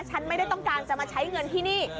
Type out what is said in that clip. ฉันไม่ได้ต้องการจะมาใช้เงินที่นี่